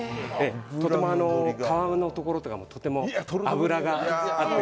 とても皮のところとかも脂があって。